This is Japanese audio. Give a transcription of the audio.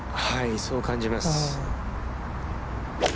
そう感じます。